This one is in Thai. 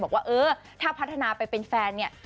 บอกว่าเออถ้าพัฒนาไปเป็นแฟนเนี่ย